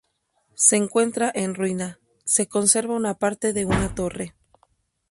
Se encuentra en ruina, se conserva una parte de una torre.